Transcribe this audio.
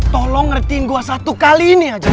tolong ngertiin gue satu kali ini aja